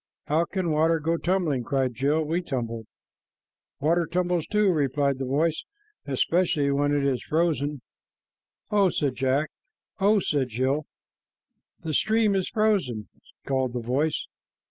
"How can water go tumbling?" cried Jill. "We tumbled." "Water tumbles too," replied the voice, "especially when it is frozen." "Oh!" said Jack. "Oh!" said Jill. "The stream is frozen," called the voice.